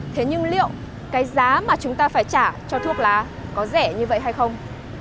thế nhưng liệu cái giá mà chúng ta phải trả cho thuốc lá có rẻ như vậy hay không